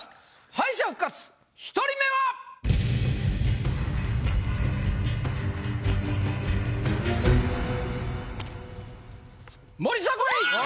敗者復活１人目は⁉森迫永依！